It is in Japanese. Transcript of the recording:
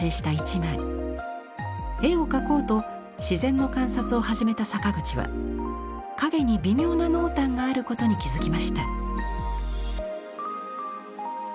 絵を描こうと自然の観察を始めた坂口は影に微妙な濃淡があることに気付きました。